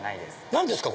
何ですか？